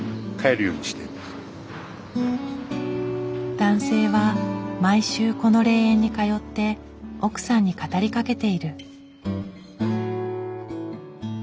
男性は毎週この霊園に通って奥さんに語りかけている。